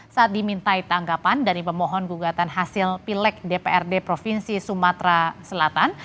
saat dimintai tanggapan dari pemohon gugatan hasil pilek dprd provinsi sumatera selatan